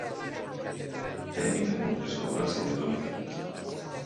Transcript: Tammy fa in modo che scopra il segreto di Franky.